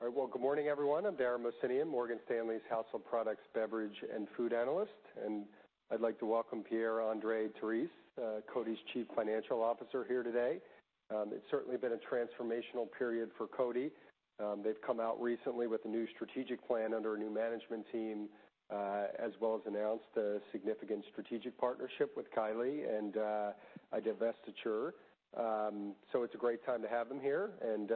All right, good morning everyone. I'm Dara Mohsenian, Morgan Stanley's household products, beverage, and food analyst, and I'd like to welcome Pierre-Andre Terisse, Coty's Chief Financial Officer here today. It's certainly been a transformational period for Coty. They've come out recently with a new strategic plan under a new management team, as well as announced a significant strategic partnership with Kylie and a divestiture. It's a great time to have them here, and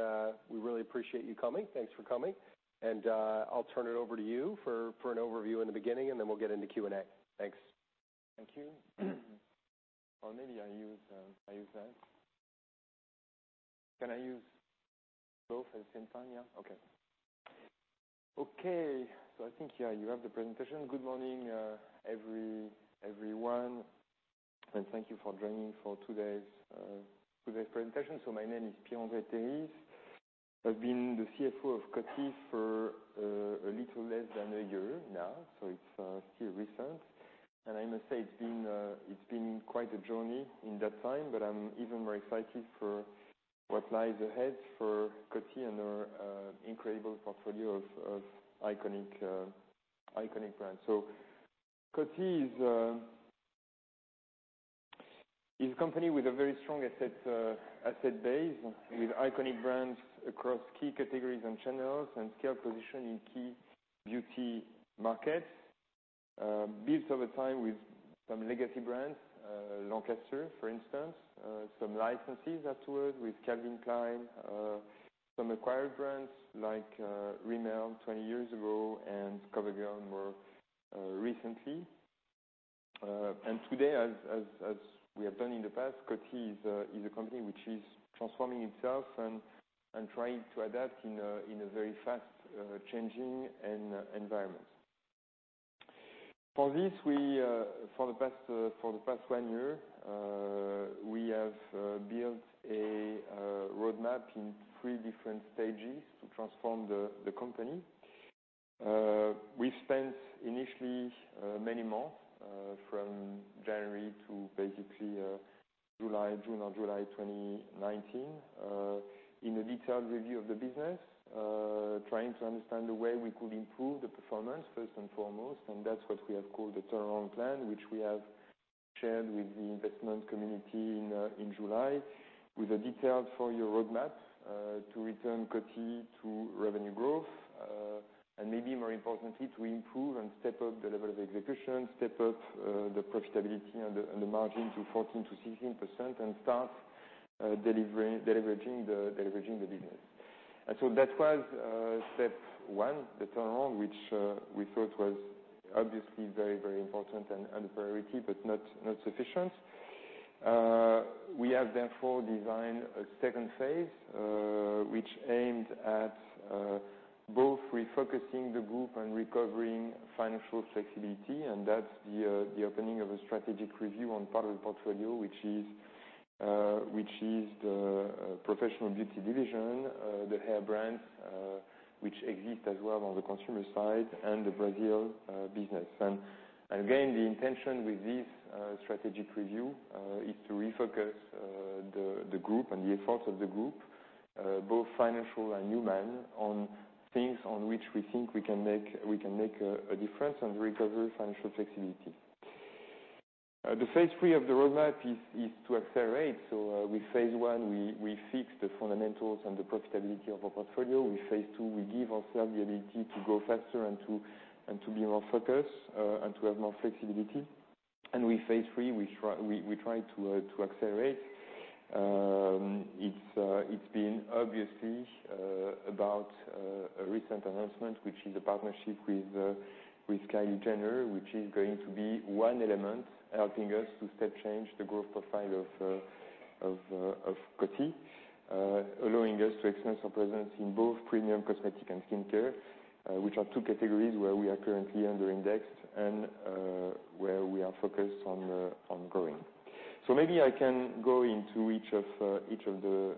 we really appreciate you coming. Thanks for coming. I'll turn it over to you for an overview in the beginning, and then we'll get into Q&A. Thanks. Thank you. Or maybe I use, I use that. Can I use both at the same time? Yeah? Okay. Okay. I think, yeah, you have the presentation. Good morning, everyone, and thank you for joining for today's, today's presentation. My name is Pierre-Andre Terisse. I've been the CFO of Coty for a little less than a year now, so it's still recent. I must say it's been, it's been quite a journey in that time, but I'm even more excited for what lies ahead for Coty and their incredible portfolio of iconic, iconic brands. Coty is a company with a very strong asset base with iconic brands across key categories and channels and scale position in key beauty markets. built over time with some legacy brands, Lancaster for instance, some licenses afterwards with Calvin Klein, some acquired brands like, Rimmel 20 years ago and COVERGIRL more recently. Today, as we have done in the past, Coty is a company which is transforming itself and trying to adapt in a very fast, changing environment. For this, for the past one year, we have built a roadmap in three different stages to transform the company. We spent initially many months, from January to basically June or July 2019, in a detailed review of the business, trying to understand the way we could improve the performance first and foremost, and that's what we have called the turnaround plan, which we have shared with the investment community in July with a detailed four-year roadmap to return Coty to revenue growth, and maybe more importantly to improve and step up the level of execution, step up the profitability and the margin to 14-16% and start delivering, deleveraging the business. That was step one, the turnaround, which we thought was obviously very, very important and a priority but not sufficient. We have therefore designed a second phase, which aimed at both refocusing the group and recovering financial flexibility, and that is the opening of a strategic review on part of the portfolio, which is the professional beauty division, the hair brands, which exist as well on the consumer side and the Brazil business. Again, the intention with this strategic review is to refocus the group and the efforts of the group, both financial and human, on things on which we think we can make a difference and recover financial flexibility. The phase III of the roadmap is to accelerate. With phase I, we fix the fundamentals and the profitability of our portfolio. With phase II, we give ourselves the ability to go faster and to be more focused, and to have more flexibility. With phase III, we try to accelerate. It's been obviously about a recent announcement, which is a partnership with Kylie Jenner, which is going to be one element helping us to step change the growth profile of Coty, allowing us to expand our presence in both premium cosmetic and skincare, which are two categories where we are currently under indexed and where we are focused on growing. Maybe I can go into each of the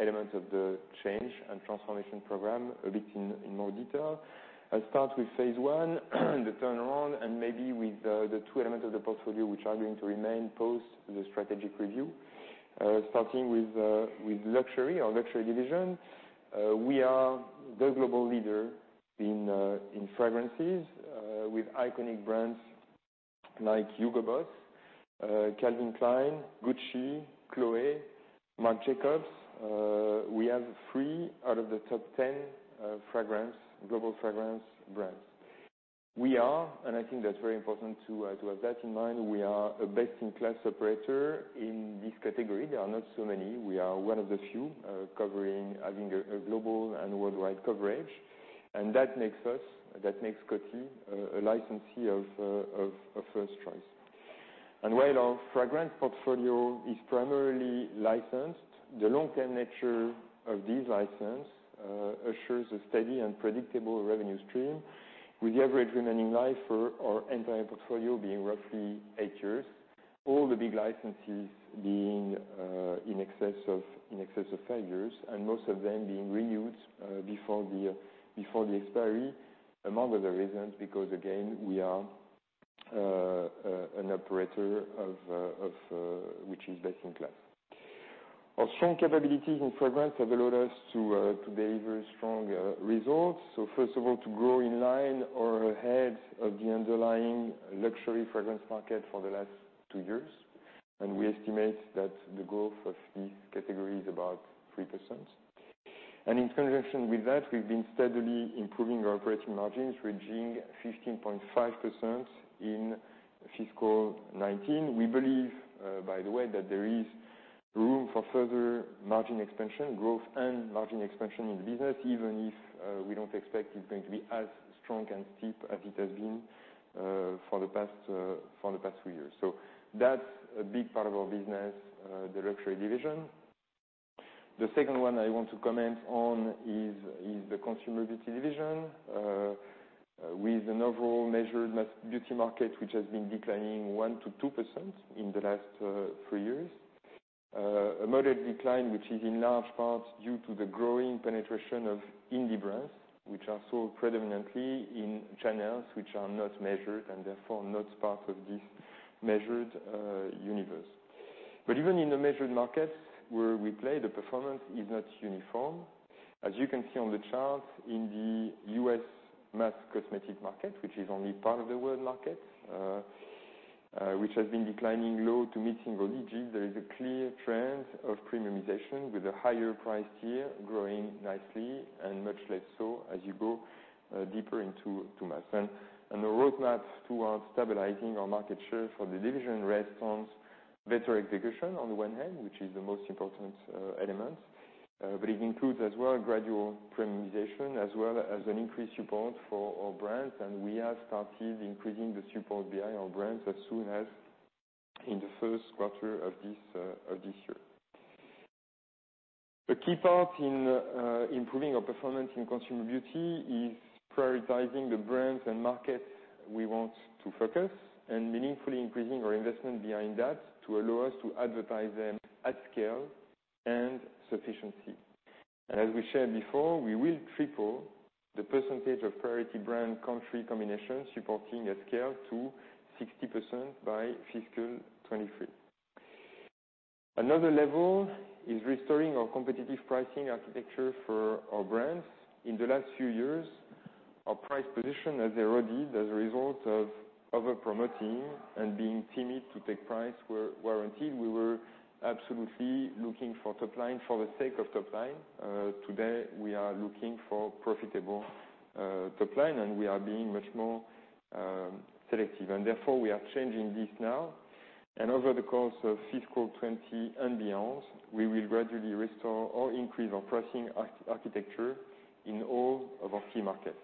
elements of the change and transformation program a bit in more detail. I'll start with phase I, the turnaround, and maybe with the two elements of the portfolio which are going to remain post the strategic review. Starting with luxury or luxury division, we are the global leader in fragrances, with iconic brands like HUGO BOSS, Calvin Klein, Gucci, Chloé, Marc Jacobs. We have three out of the top 10 global fragrance brands. We are, and I think that's very important to have that in mind, we are a best-in-class operator in this category. There are not so many. We are one of the few, having a global and worldwide coverage. That makes us, that makes Coty a licensee of first choice. While our fragrance portfolio is primarily licensed, the long-term nature of these licenses assures a steady and predictable revenue stream, with the average remaining life for our entire portfolio being roughly eight years, all the big licenses being in excess of five years, and most of them being renewed before the expiry, among other reasons because, again, we are an operator of which is best-in-class. Our strong capabilities in fragrance have allowed us to deliver strong results. First of all, to grow in line or ahead of the underlying luxury fragrance market for the last two years. We estimate that the growth of these categories is about 3%. In conjunction with that, we have been steadily improving our operating margins, reaching 15.5% in fiscal 2019. We believe, by the way, that there is room for further margin expansion, growth, and margin expansion in the business, even if we don't expect it's going to be as strong and steep as it has been for the past two years. That's a big part of our business, the luxury division. The second one I want to comment on is the consumer beauty division, with an overall measured mass beauty market which has been declining 1-2% in the last three years. A moderate decline which is in large part due to the growing penetration of indie brands, which are sold predominantly in channels which are not measured and therefore not part of this measured universe. Even in the measured markets where we play, the performance is not uniform. As you can see on the chart, in the U.S. mass cosmetic market, which is only part of the world market, which has been declining low to mid-single-digits, there is a clear trend of premiumization with a higher price tier growing nicely and much less so as you go deeper into mass. The roadmap towards stabilizing our market share for the division rests on better execution on the one hand, which is the most important element, but it includes as well gradual premiumization as well as an increased support for our brands, and we have started increasing the support behind our brands as soon as in the first quarter of this year. A key part in improving our performance in consumer beauty is prioritizing the brands and markets we want to focus and meaningfully increasing our investment behind that to allow us to advertise them at scale and sufficiently. As we shared before, we will triple the percentage of priority brand country combinations supporting at scale to 60% by fiscal 2023. Another level is restoring our competitive pricing architecture for our brands. In the last few years, our price position has eroded as a result of over-promoting and being timid to take price warranty. We were absolutely looking for top line for the sake of top line. Today, we are looking for profitable, top line, and we are being much more selective. Therefore, we are changing this now. Over the course of fiscal 2020 and beyond, we will gradually restore or increase our pricing architecture in all of our key markets.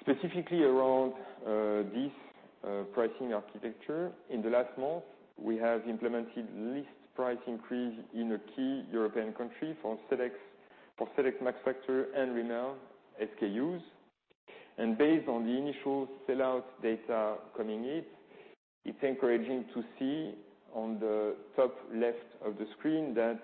Specifically around this pricing architecture, in the last month, we have implemented a list price increase in a key European country for [select] Max Factor, and Rimmel SKUs. Based on the initial sellout data coming in, it is encouraging to see on the top left of the screen that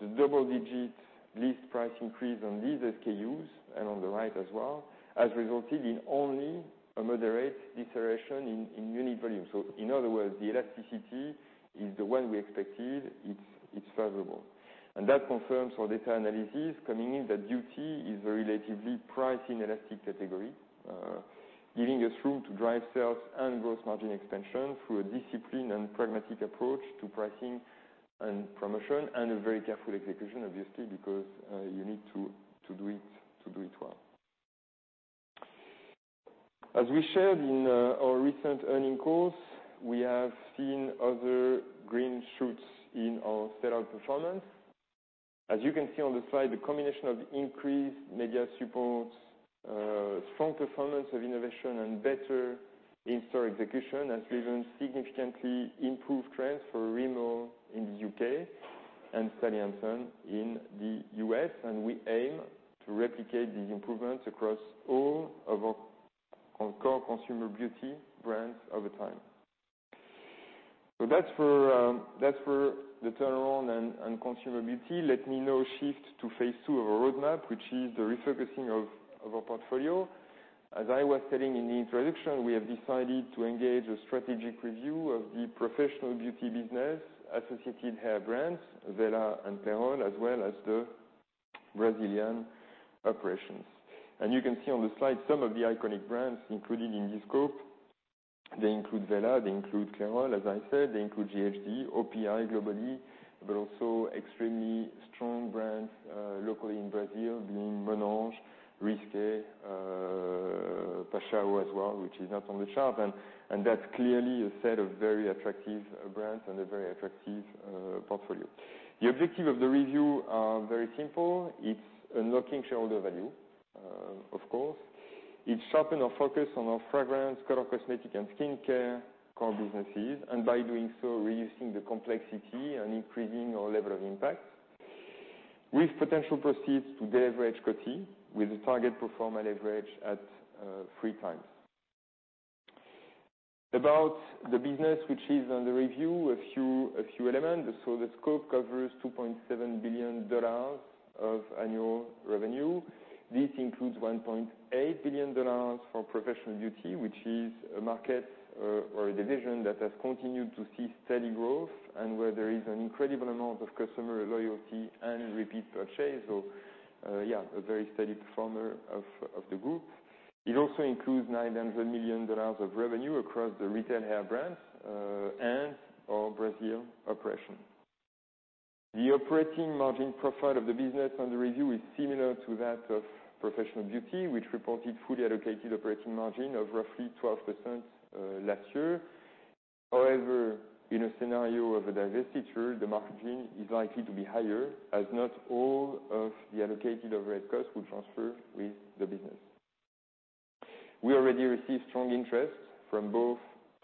the double-digit list price increase on these SKUs and on the right as well has resulted in only a moderate deceleration in unit volume. In other words, the elasticity is the one we expected. It is favorable. That confirms our data analysis coming in that beauty is a relatively price-inelastic category, giving us room to drive sales and gross margin expansion through a disciplined and pragmatic approach to pricing and promotion and a very careful execution, obviously, because you need to do it, to do it well. As we shared in our recent earnings calls, we have seen other green shoots in our sellout performance. As you can see on the slide, the combination of increased media support, strong performance of innovation, and better in-store execution has driven significantly improved trends for Rimmel in the U.K. and Sally Hansen in the U.S. We aim to replicate these improvements across all of our core consumer beauty brands over time. That is for the turnaround and consumer beauty. Let me now shift to phase II of our roadmap, which is the refocusing of our portfolio. As I was telling in the introduction, we have decided to engage a strategic review of the professional beauty business associated hair brands, Wella and Clairol, as well as the Brazilian operations. You can see on the slide some of the iconic brands included in this scope. They include Wella, they include Clairol, as I said, they include ghd, OPI globally, but also extremely strong brands locally in Brazil being Monange, Risqué, Paixão as well, which is not on the chart. That is clearly a set of very attractive brands and a very attractive portfolio. The objective of the review, very simple. It's unlocking shareholder value, of course. It sharpened our focus on our fragrance, color cosmetic, and skincare core businesses, and by doing so, reducing the complexity and increasing our level of impact with potential proceeds to deleverage Coty with a target pro forma leverage at three times. About the business, which is under review, a few elements. The scope covers $2.7 billion of annual revenue. This includes $1.8 billion for professional beauty, which is a market or a division that has continued to see steady growth and where there is an incredible amount of customer loyalty and repeat purchase. Yeah, a very steady performer of the group. It also includes $900 million of revenue across the retail hair brands and our Brazil operation. The operating margin profile of the business under review is similar to that of professional beauty, which reported fully allocated operating margin of roughly 12% last year. However, in a scenario of a divestiture, the margin is likely to be higher as not all of the allocated overhead costs will transfer with the business. We already received strong interest from both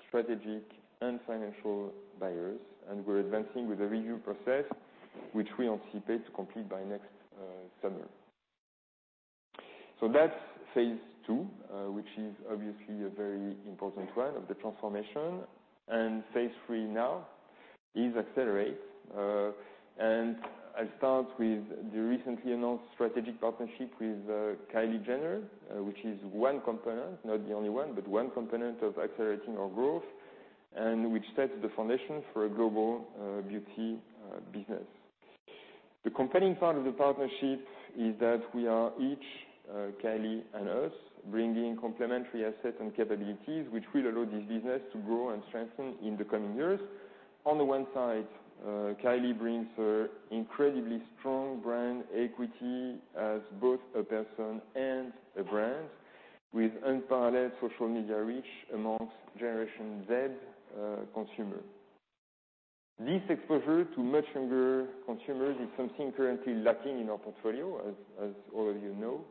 strategic and financial buyers, and we're advancing with the review process, which we anticipate to complete by next summer. That's phase II, which is obviously a very important one of the transformation. Phase III now is accelerate. I'll start with the recently announced strategic partnership with Kylie Jenner, which is one component, not the only one, but one component of accelerating our growth and which sets the foundation for a global beauty business. The compelling part of the partnership is that we are each, Kylie and us, bringing complementary assets and capabilities which will allow this business to grow and strengthen in the coming years. On the one side, Kylie brings her incredibly strong brand equity as both a person and a brand with unparalleled social media reach amongst Generation Z, consumer. This exposure to much younger consumers is something currently lacking in our portfolio, as, as all of you know,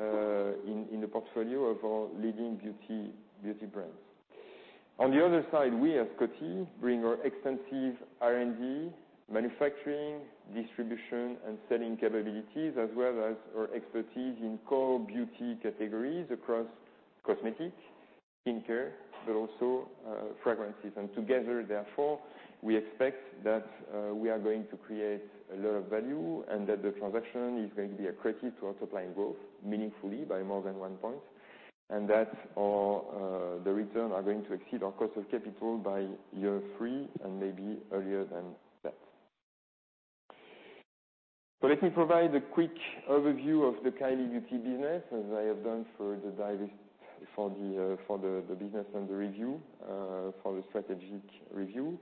in the portfolio of our leading beauty, beauty brands. On the other side, we as Coty bring our extensive R&D, manufacturing, distribution, and selling capabilities, as well as our expertise in core beauty categories across cosmetic, skincare, but also, fragrances. Together, therefore, we expect that we are going to create a lot of value and that the transaction is going to be accretive to our top line growth meaningfully by more than one point, and that our, the return are going to exceed our cost of capital by year three and maybe earlier than that. Let me provide a quick overview of the Kylie beauty business, as I have done for the divest for the business and the review, for the strategic review.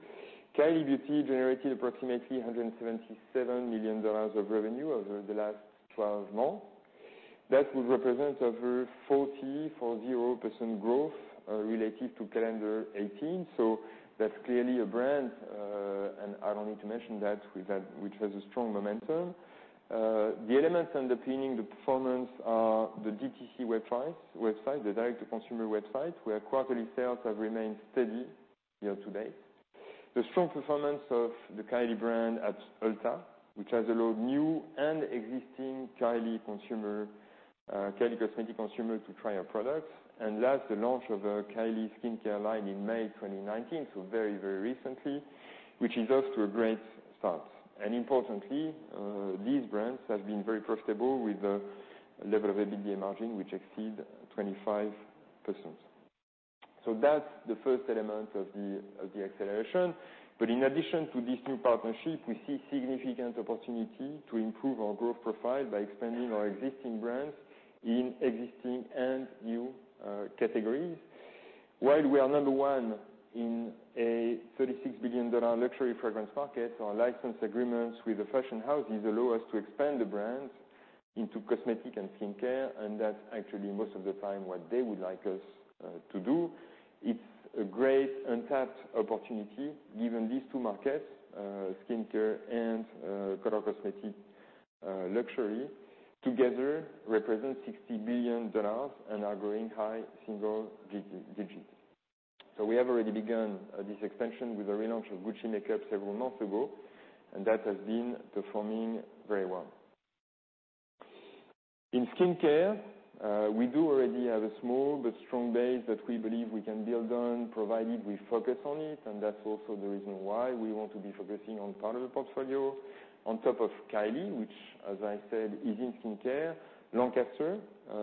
Kylie beauty generated approximately $177 million of revenue over the last 12 months. That would represent over 40% growth, relative to calendar 2018. That's clearly a brand, and I don't need to mention that we've had which has a strong momentum. The elements underpinning the performance are the DTC website, the direct-to-consumer website, where quarterly sales have remained steady year to date. The strong performance of the Kylie brand at Ulta, which has allowed new and existing Kylie consumer, Kylie cosmetic consumer to try our products. Last, the launch of a Kylie skincare line in May 2019, so very, very recently, which is off to a great start. Importantly, these brands have been very profitable with a level of EBITDA margin which exceeds 25%. That is the first element of the acceleration. In addition to this new partnership, we see significant opportunity to improve our growth profile by expanding our existing brands in existing and new categories. While we are number one in a $36 billion luxury fragrance market, our license agreements with the fashion houses allow us to expand the brands into cosmetic and skincare, and that is actually most of the time what they would like us to do. It is a great untapped opportunity given these two markets, skincare and color cosmetics, luxury, together represent $60 billion and are growing high single-digit. We have already begun this expansion with a relaunch of Gucci makeup several months ago, and that has been performing very well. In skincare, we do already have a small but strong base that we believe we can build on provided we focus on it, and that's also the reason why we want to be focusing on part of the portfolio on top of Kylie, which, as I said, is in skincare. Lancaster,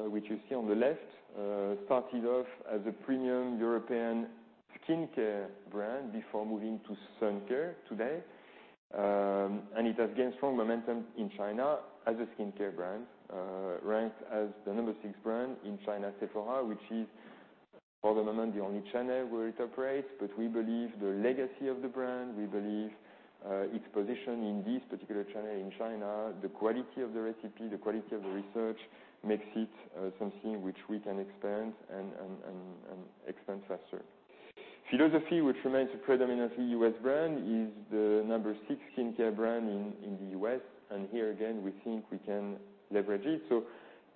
which you see on the left, started off as a premium European skincare brand before moving to sun care today, and it has gained strong momentum in China as a skincare brand, ranked as the number six brand in China Sephora, which is for the moment the only channel where it operates. We believe the legacy of the brand, we believe, its position in this particular channel in China, the quality of the recipe, the quality of the research makes it something which we can expand and, and expand faster. Philosophy, which remains a predominantly U.S. brand, is the number six skincare brand in the U.S. Here again, we think we can leverage it.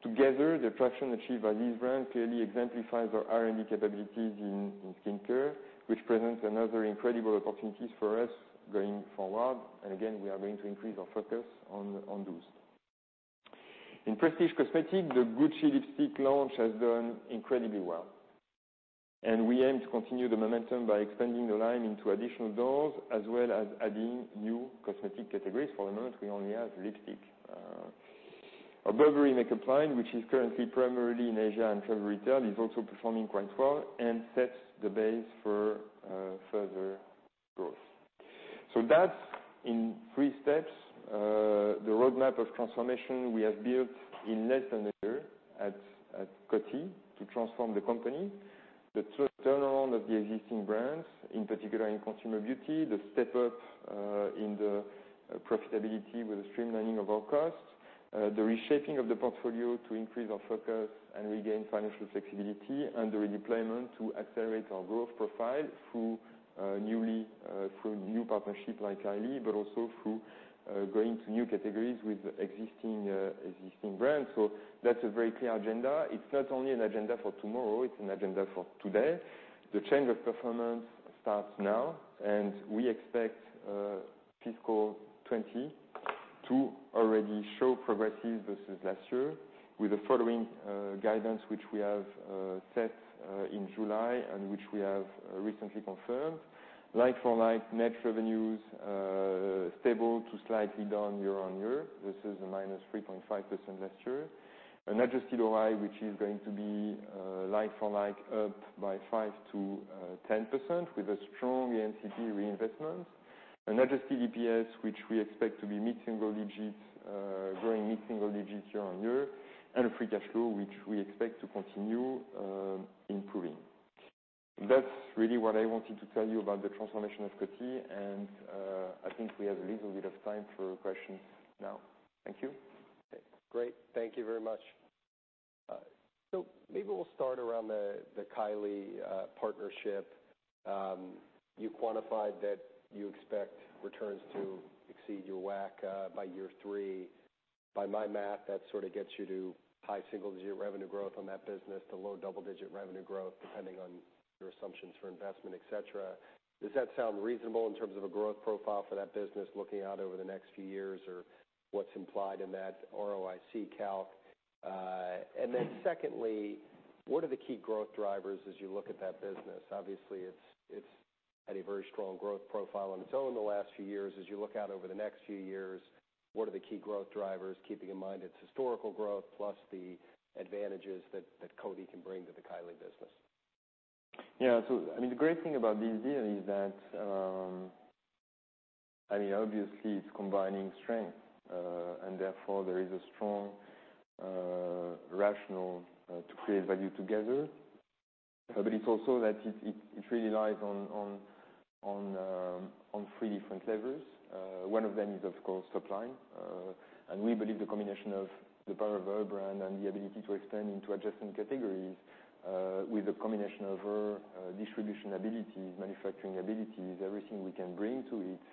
Together, the traction achieved by these brands clearly exemplifies our R&D capabilities in skincare, which presents another incredible opportunities for us going forward. We are going to increase our focus on those. In prestige cosmetic, the Gucci lipstick launch has done incredibly well. We aim to continue the momentum by expanding the line into additional dolls as well as adding new cosmetic categories. For the moment, we only have lipstick. Our Burberry makeup line, which is currently primarily in Asia and favorite retail, is also performing quite well and sets the base for further growth. That is in three steps, the roadmap of transformation we have built in less than a year at Coty to transform the company, the turnaround of the existing brands, in particular in consumer beauty, the step up in the profitability with the streamlining of our costs, the reshaping of the portfolio to increase our focus and regain financial flexibility, and the redeployment to accelerate our growth profile through, newly, through new partnership like Kylie, but also through going to new categories with existing brands. That is a very clear agenda. It is not only an agenda for tomorrow, it is an agenda for today. The change of performance starts now, and we expect fiscal 2020 to already show progressive versus last year with the following guidance which we have set in July and which we have recently confirmed. Like-for-like net revenues, stable to slightly down year on year versus a -3.5% last year. An adjusted OI, which is going to be, like-for-like, up by 5-10% with a strong ANCP reinvestment. An adjusted EPS, which we expect to be mid-single-digits, growing mid-single-digits year on year, and a free cash flow, which we expect to continue improving. That is really what I wanted to tell you about the transformation of Coty. I think we have a little bit of time for questions now. Thank you. Okay. Great. Thank you very much. Maybe we will start around the Kylie partnership. You quantified that you expect returns to exceed your WACC by year three. By my math, that sort of gets you to high single-digit revenue growth on that business to low double-digit revenue growth, depending on your assumptions for investment, etc. Does that sound reasonable in terms of a growth profile for that business looking out over the next few years or what's implied in that ROIC calc? Then secondly, what are the key growth drivers as you look at that business? Obviously, it's had a very strong growth profile on its own in the last few years. As you look out over the next few years, what are the key growth drivers, keeping in mind its historical growth plus the advantages that Coty can bring to the Kylie business? Yeah. I mean, the great thing about this deal is that, I mean, obviously, it's combining strength, and therefore there is a strong, rational, to create value together. It's also that it really lies on three different levers. One of them is, of course, top-line. We believe the combination of the power of our brand and the ability to expand into adjacent categories, with the combination of our distribution abilities, manufacturing abilities, everything we can bring to it,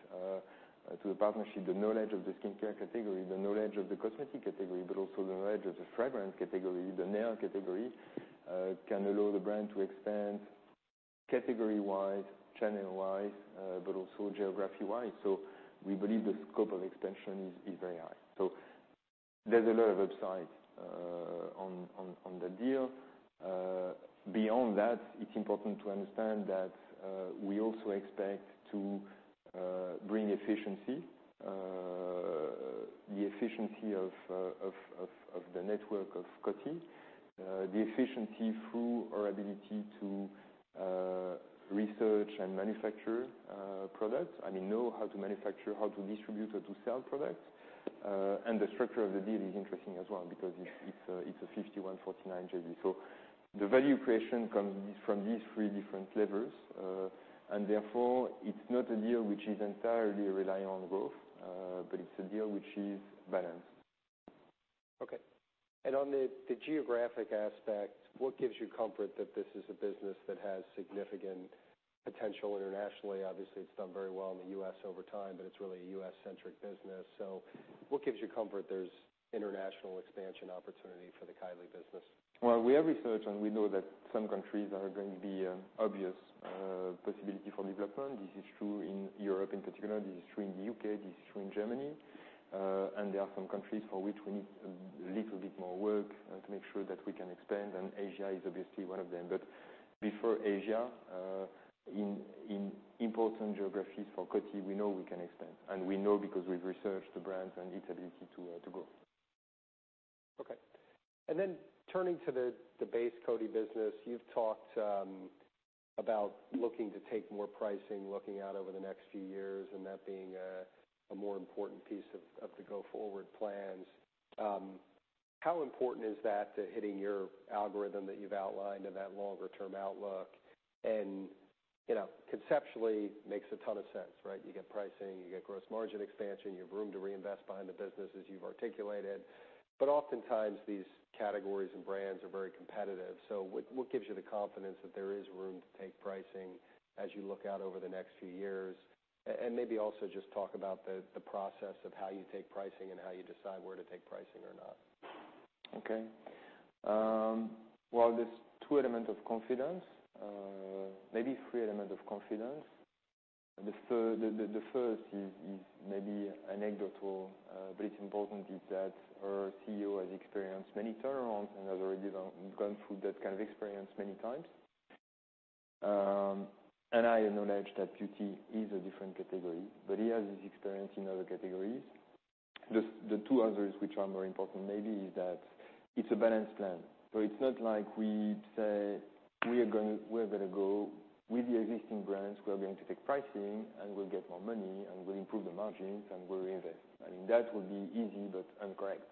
to the partnership, the knowledge of the skincare category, the knowledge of the cosmetic category, but also the knowledge of the fragrance category, the nail category, can allow the brand to expand category-wise, channel-wise, but also geography-wise. We believe the scope of expansion is very high. There is a lot of upside on the deal. Beyond that, it is important to understand that we also expect to bring efficiency, the efficiency of the network of Coty, the efficiency through our ability to research and manufacture products. I mean, know how to manufacture, how to distribute, how to sell products. The structure of the deal is interesting as well because it's a 51/49 JV. The value creation comes from these three different levels. Therefore, it's not a deal which is entirely reliant on growth, but it's a deal which is balanced. On the geographic aspect, what gives you comfort that this is a business that has significant potential internationally? Obviously, it's done very well in the U.S. over time, but it's really a U.S.-centric business. What gives you comfort there's international expansion opportunity for the Kylie business? We have research, and we know that some countries are going to be an obvious possibility for development. This is true in Europe in particular. This is true in the U.K. This is true in Germany. There are some countries for which we need a little bit more work to make sure that we can expand. Asia is obviously one of them. Before Asia, in important geographies for Coty, we know we can expand. We know because we've researched the brands and its ability to grow. Okay. Turning to the base Coty business, you've talked about looking to take more pricing, looking out over the next few years, and that being a more important piece of the go-forward plans. How important is that to hitting your algorithm that you've outlined of that longer-term outlook? You know, conceptually, it makes a ton of sense, right? You get pricing, you get gross margin expansion, you have room to reinvest behind the business as you've articulated. Oftentimes, these categories and brands are very competitive. What gives you the confidence that there is room to take pricing as you look out over the next few years? And maybe also just talk about the process of how you take pricing and how you decide where to take pricing or not. Okay. There are two elements of confidence, maybe three elements of confidence. The first is maybe anecdotal, but it is important, that our CEO has experienced many turnarounds and has already gone through that kind of experience many times. I acknowledge that beauty is a different category, but he has his experience in other categories. The two others, which are more important maybe, are that it is a balanced plan. It is not like we say we are gonna go with the existing brands, we are going to take pricing, and we'll get more money, and we'll improve the margins, and we'll reinvest. I mean, that would be easy but incorrect.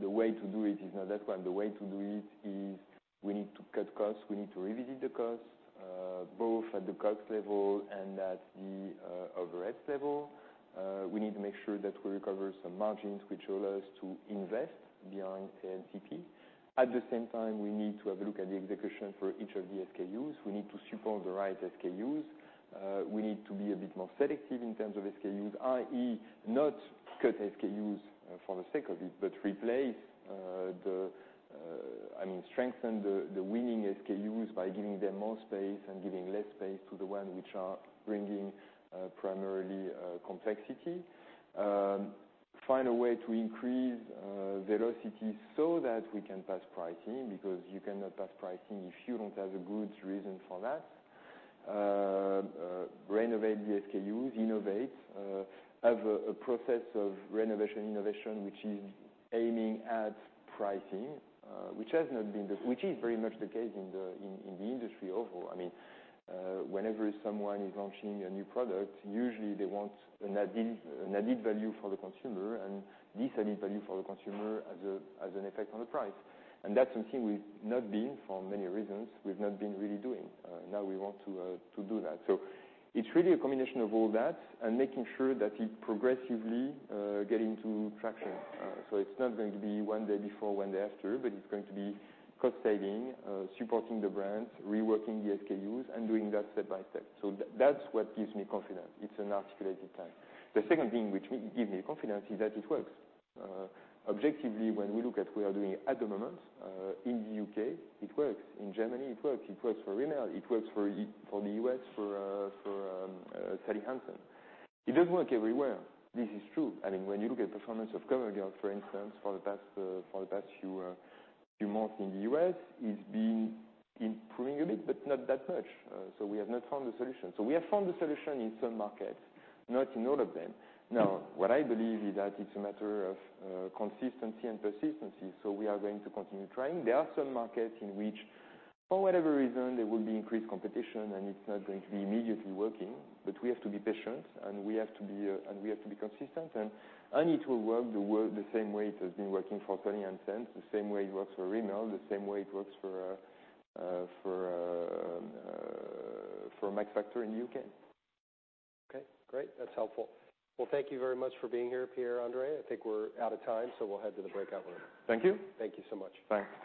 The way to do it is not that one. The way to do it is we need to cut costs. We need to revisit the costs, both at the cost level and at the overhead level. We need to make sure that we recover some margins which allow us to invest beyond ANCP. At the same time, we need to have a look at the execution for each of the SKUs. We need to support the right SKUs. We need to be a bit more selective in terms of SKUs, i.e., not cut SKUs for the sake of it, but replace, I mean, strengthen the winning SKUs by giving them more space and giving less space to the ones which are bringing, primarily, complexity. Find a way to increase velocity so that we can pass pricing because you cannot pass pricing if you do not have a good reason for that. Renovate the SKUs, innovate, have a process of renovation, innovation which is aiming at pricing, which has not been the, which is very much the case in the, in the industry overall. I mean, whenever someone is launching a new product, usually they want an added value for the consumer, and this added value for the consumer has an effect on the price. That's something we've not been for many reasons. We've not been really doing. Now we want to do that. It is really a combination of all that and making sure that it progressively gets into traction. It is not going to be one day before, one day after, but it is going to be cost-saving, supporting the brands, reworking the SKUs, and doing that step by step. That is what gives me confidence. It is an articulated plan. The second thing which gives me confidence is that it works. Objectively, when we look at what we are doing at the moment, in the U.K., it works. In Germany, it works. It works for Rimmel. It works for the U.S., for Sally Hansen. It does not work everywhere. This is true. I mean, when you look at the performance of COVERGIRL, for instance, for the past few months in the U.S., it's been improving a bit but not that much. We have not found the solution. We have found the solution in some markets, not in all of them. Now, what I believe is that it's a matter of consistency and persistency. We are going to continue trying. There are some markets in which, for whatever reason, there will be increased competition, and it's not going to be immediately working. We have to be patient, and we have to be consistent. It will work the same way it has been working for Sally Hansen, the same way it works for Rimmel, the same way it works for Max Factor in the U.K. Okay. Great. That's helpful. Thank you very much for being here, Pierre-Andre. I think we're out of time, so we'll head to the breakout room. Thank you. Thank you so much. Thanks.